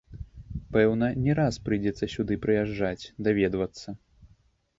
Пэўна, не раз прыйдзецца сюды прыязджаць, даведвацца.